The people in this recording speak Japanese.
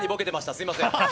すみません。